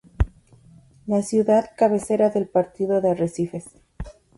La ciudad cabecera del partido es Arrecifes.